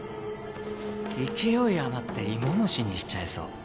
勢い余って芋虫にしちゃいそう。